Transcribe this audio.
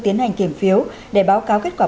tiến hành kiểm phiếu để báo cáo kết quả